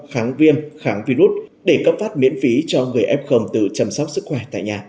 kháng viêm kháng virus để cấp phát miễn phí cho người f từ chăm sóc sức khỏe tại nhà